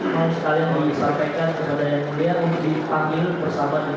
kami sekalian disampaikan kepada yang miliar untuk dipanggil bersama dengan